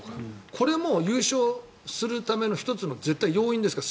これも優勝するための１つの要因ですから。